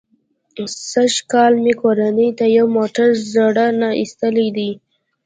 سږ کال مې کورنۍ ته یو موټر زړه نه ایستلی دی.